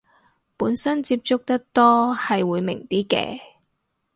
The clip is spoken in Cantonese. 本身接觸得多係會明啲嘅